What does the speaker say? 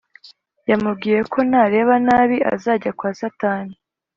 yamubwiyeko nareba nabi azajya kwa satani